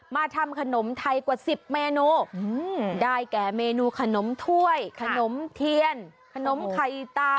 มาทำขนมไทยกว่า๑๐เมนูได้แก่เมนูขนมถ้วยขนมเทียนขนมไข่ตา